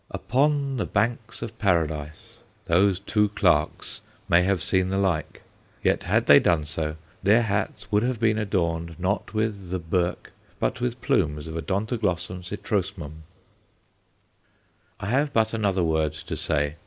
"Upon the banks of Paradise" those "twa clerks" may have seen the like; yet, had they done so their hats would have been adorned not with "the birk," but with plumes of Odontoglossum citrosmum. I have but another word to say.